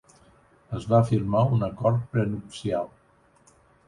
Es va firmar un acord prenupcial.